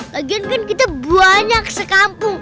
lagian kan kita banyak sekampung